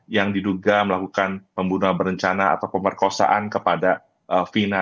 yang diduga melakukan pembunuhan berencana atau pemerkosaan kepada fina